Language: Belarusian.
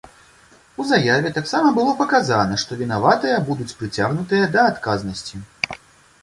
У заяве таксама было паказана, што вінаватыя будуць прыцягнутыя да адказнасці.